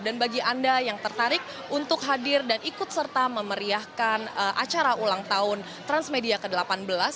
dan bagi anda yang tertarik untuk hadir dan ikut serta memeriahkan acara ulang tahun transmedia ke delapan belas